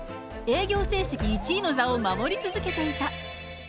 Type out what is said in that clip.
営業成績１位の座を守り続けていた。